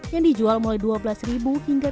yang diperlukan di restoran mie instan